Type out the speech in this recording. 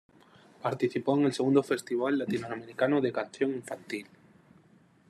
Participó en el "Segundo Festival Interamericano de la Canción Infantil".